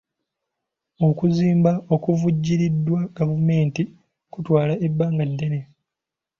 Okuzimba okuvvujjiriddwa gavumenti kutwala ebbanga ddene.